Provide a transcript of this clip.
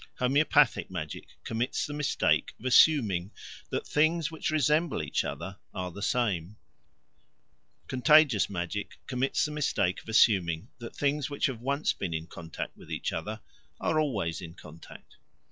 Homoeopathic magic commits the mistake of assuming that things which resemble each other are the same: contagious magic commits the mistake of assuming that things which have once been in contact with each other are always in contact.